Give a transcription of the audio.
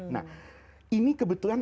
nah ini kebetulan